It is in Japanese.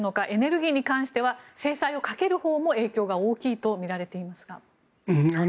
エネルギーに関しては制裁をかけるほうも影響が大きいとみられていますが。